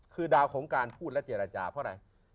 คือดาวของการพูดและเจรจาเพราะอะไร